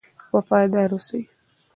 وفادار اوسئ.